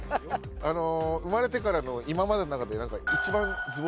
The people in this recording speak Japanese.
あの生まれてからの今までの中で。